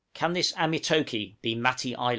Can this Amitoke be Matty Island?